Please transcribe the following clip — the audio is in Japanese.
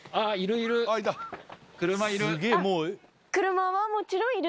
車いる。